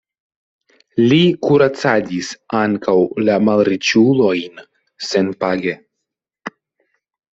Li kuracadis ankaŭ la malriĉulojn senpage.